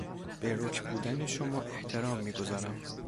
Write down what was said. به رک بودن شما احترام میگذارم.